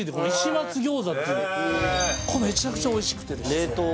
めちゃくちゃおいしくてですね冷凍？